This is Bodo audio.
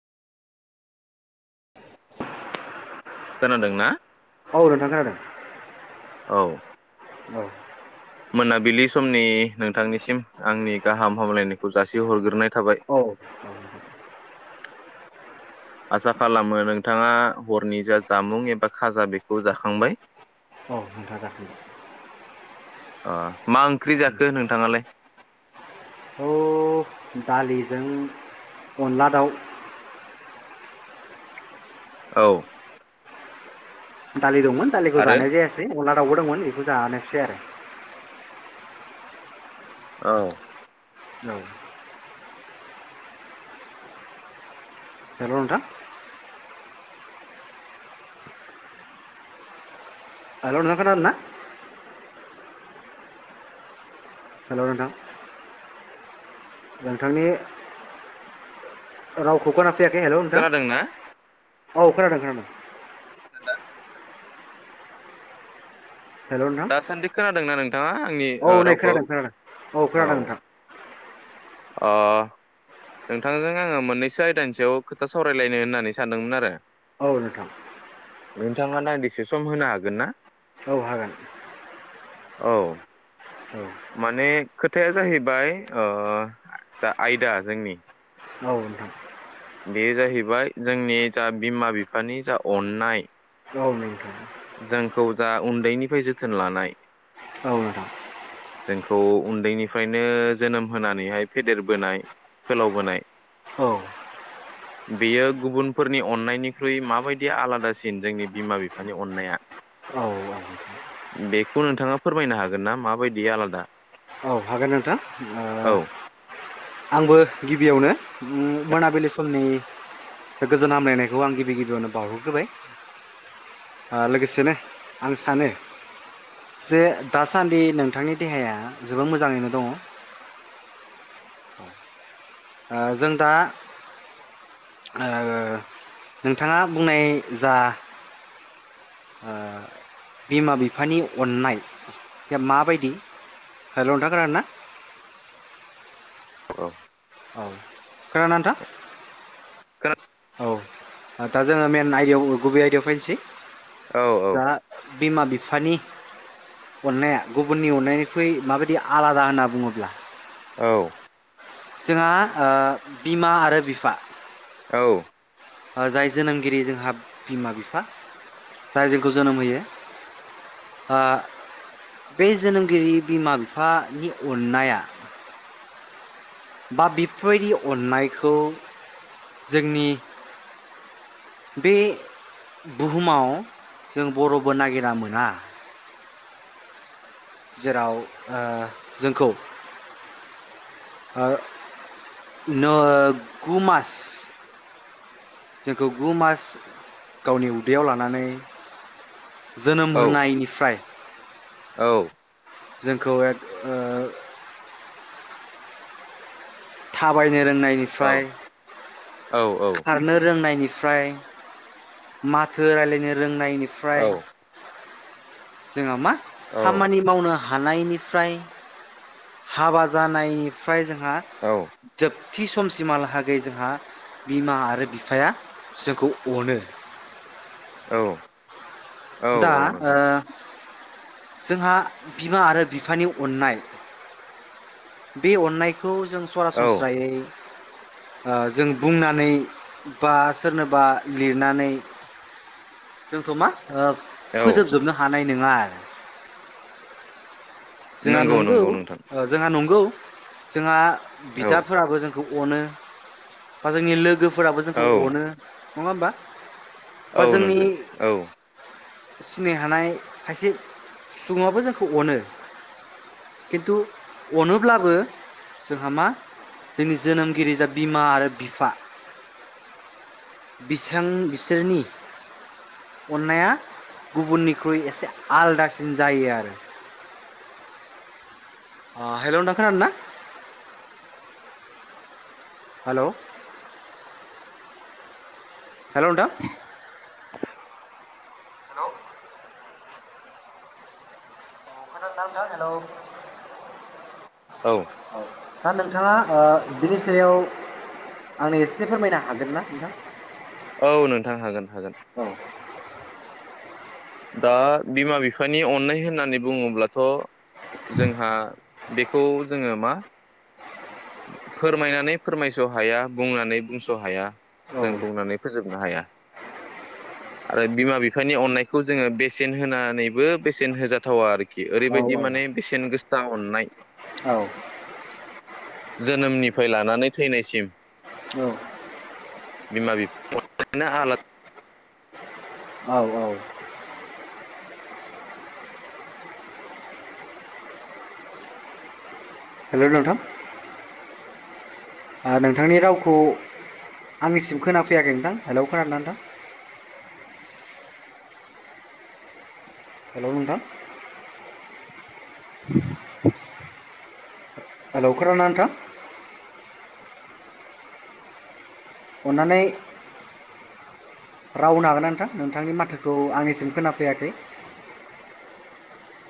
खोनादोंना औ नोंथां खोनादों। औ। औ। मोनाबिलि समनि नोंथांनिसिम आंनि गाहाम हामलायनायखौ जासिहरग्रोनाय थाबाय औ आसा खालामो नोंथाङा हरनि जा जामुं एबा खाजा बेखौ जाखांबाय औ नोंथां जाखांबाय ओ मा ओंख्रि जाखो नोंथाङालाय? औ दालिजों अनला दाउ। औ दालि दं मोन दालिखौ आरो जानाय जायासै दावबो दंमोन बेखौ जानोसै आरो औ औ हेल' नोंथां हेल' नोंथां खोनादोंना? हेल' नोंथां नोंथांनि रावखो खोना फैयाखै हेल' नोंथां। खोनादोंना औ खोनादों खोनादों। नोंथां। हेल' नोंथां दासान्दि खोनादोंना नोंथाङा आंनि औ नै रावखौ खोनादों खोनादों खोनादों औ नोंथां अ नोंथांजों आङो मोननैसो आयदानि सायाव खोथा सावरायलायनो होननानै सानदोंमोन आरो औ नोंथां नोंथाङा दान्दिसे सम होनो हागोन ना औ हागोन औ? औ माने खोथाया जाहैबाय ओ जा आयदा जोंनि औ नोंथां बे जाहैबाय जोंनि जा बिमा बिफानि जा अन्नाय औ नोंथां जोंखौ जा उन्दैनिफ्राय जोथोन लानाय औ नोंथां जोंखौ उन्दैनिफ्रायनो जोनोम होनानैहाय फेदेरबोनाय फोलावबोनाय औ बेयो गुबुनफोरनि अननायनिख्रुइ माबायदि आलादासिन जोंनि बिमा बिफा नि अननाया औ बेखौ नोंथाङा फोरमायनो हागोन ना माबायदि आलादा? औ हागोन नोंथां औ। आंबो गिबियावनो उम मोनाबिलि समनि गोजोन हामलायनायखौ आं गिबि गिबियावनो बावहरग्रोबाय ओ लोगोसेनो आं सानो जे दासान्दि नोंथांनि देहाया जोबोर मोजाङैनो दङ। ओ जों दा ओ नोंथाङा बुंनाय जा बिमा बिफानि अननाय या माबायदि हेल' नोंथां खोनादों ना? औ। खोनादोना नोंथां? खोना आ दा जोङो मेन आयदायाव ओ गुबै आयदायाव फैनोसै। औ औ जा बिमा बिफ फानि अननाया गुबुननि अननायनिख्रुइ माबायदि आलादा होनना बुङोब्ला औ। जोंहा ओ बिमा आरो बिफा औ। ओ जाय जोनोमगिरि जोंहा बिमा बिफा जाय जोंखौ जोनोम होयो ओ बे जोनोमगिरि बिमा बिफानि अननाया बा बेफोरबायदि अननायखौ जोंनि बे बुहुमाव जों बर'बो नागिरना मोना। जेराव ओ जोंखौ ओ नो गु मास जोंखौ गु मास गावनि उदैयाव लानानै जोनोम औ होनायनिफ्राय औ जोंखौ एक ओ थाबाय नो औ रोंनायनिफ्राय औ खारनो रोंनायनि फ्राय माथो रायलायनो रों नायनिफ्राय जोंहा मा औ खामानि मावनो हानायनिफ्राय हाबा जानाय फ्राय जोंहा औ औ जोब थि समसिमहालाहागै जोंहा बिमा आरो बिफाया जोंखौ अनो। औ औ दा औ ओ नोंथां जोंहा बिमा आरो बिफानि अननाय बे अननाय खौ जों औ सरासनस्रायै ओ जों बुंनानै बा सोरनोबा लिरनानै जोंथ' मा ओ औ फोजोबजोबनो हा हानाय नंङा आरो जोंहा नंगौ जोंहा नं गौ जोंहा औ बिदाफोराबो जों खौ अनो बा जोंनि लोगो फोराबो औ जोंखौ अनो। नंङा होमबा। बा औ जोंनि नोंथां औ सिनाय हानाय खायसे सुबुङाबो जोंखौ अनो। खिन्थु अनोब्लाबो जोंहा मा जोंनि जोनोमगिरि जा बिमा आरो बिफा बिसां बिसोरनि अननाया गुबुननिख्रुइ एसे आलदासिन जायो आरो। ओ हेलौ नोंथां खोनादोंना। हेलौ हेल नोंथां। खोनादों ना नोंथां हेलौ। औ दा नोंथाङा ओ बिनि सायाव आंनो एसे फोरमायनो हागोन ना नोंथां। औ नोंथां हागोन हागोन। औ दा बिमा-बिफानि अननाय होननानै बुङोब्लाथ जोंहा बेखौ जोंङो मा फोरमायनानै फोरमायस हाया बुंनानै बुंस हाया औ जों बुंनानै फोजोब हाया आरो बिमा बिफानि अननायखौ जोंङो बेसेन होनानैबो बेसेन होजाथावा आरोखि। खि ओरैबायदि माने बेसेन गोस दा अननाय औ। जोनोमनिफ्राय लानानै थैनायसिम औ। बिमा बिफा आलादा औ औ। हेलौ नोंथां। नोंथांनि रावखौ आंनिसिम खोनाफैयाखै नोंथां हेलौ खोनादों ना नोंथां? हेलौ नोंथां। हेलौ खोनादों ना नोंथां? अन्नानै राव होनो हागोन ना नोंथां नोंथांनि माथोखौ आंनिसिम खोनाफैयाखै।